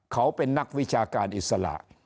เขาเป็นนักวิชาการอิสระ